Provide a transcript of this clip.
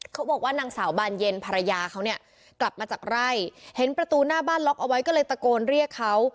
เขาบอกว่านางสาวบานเย็นภรรยาเขาเนี่ยกลับมาจากไร่เห็นประตูหน้าบ้านล็อกเอาไว้ก็เลยตะโกนเรียกเขา